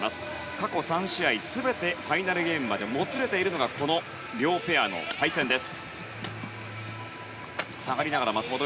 過去３試合、全てファイナルゲームまでもつれているのがこの両ペアの対戦です。